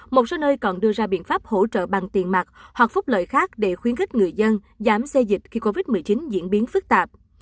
một số nơi còn đưa ra biện pháp hỗ trợ bằng tiền mặt hoặc phúc lợi khác để khuyến khích người dân giảm xây dịch khi covid một mươi chín diễn biến phức tạp